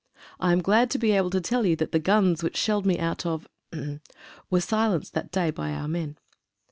I am glad to be able to tell you that the guns which shelled me out of were silenced that day by our men.